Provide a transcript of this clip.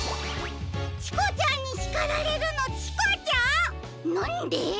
「チコちゃんに叱られる！」のチコちゃん⁉なんで？